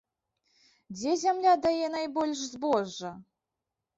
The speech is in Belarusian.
Дзе зямля дае найбольш збожжа?